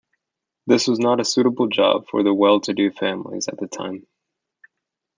This was not a suitable job for the well-to-do families at the time.